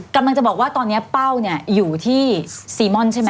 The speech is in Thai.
กำลังจะบอกว่าตอนนี้เป้าเนี่ยอยู่ที่ซีม่อนใช่ไหม